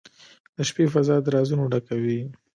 • د شپې فضاء د رازونو ډکه وي.